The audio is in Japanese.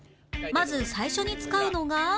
まず最初に使うのが